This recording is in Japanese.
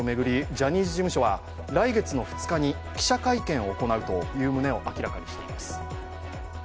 ジャニーズ事務所は来月２日に記者会見を行うという旨を明らかにしています。